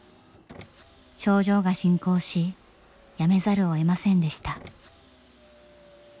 症状が進行し辞めざるをえませんでした。